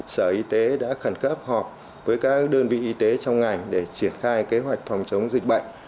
sở y tế đã khẩn cấp họp với các đơn vị y tế trong ngành để triển khai kế hoạch phòng chống dịch bệnh